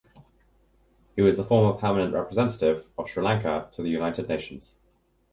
He was the former Permanent Representative of Sri Lanka to the United Nations.